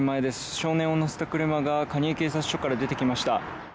少年を乗せた車が蟹江警察署から出てきました。